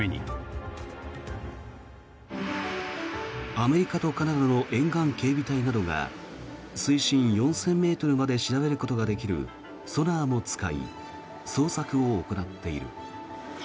アメリカとカナダの沿岸警備隊などが水深４０００ｍまで調べることができるソナーも使い捜索を行っている。